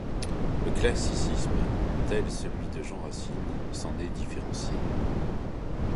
Le classicisme, tel celui de Jean Racine, s'en est différencié.